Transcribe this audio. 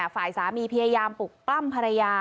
ฝ่ายสามีพยายามปลุกปล้ำภรรยา